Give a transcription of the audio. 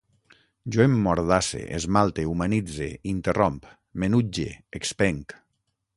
Jo emmordasse, esmalte, humanitze, interromp, m'enutge, expenc